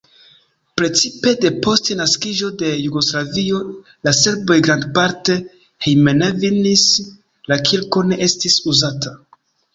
Precipe depost naskiĝo de Jugoslavio la serboj grandparte hejmenvenis, la kirko ne estis uzata.